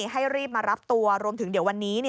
ให้รีบมารับตัวรวมถึงเดี๋ยววันนี้